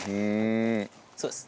そうです。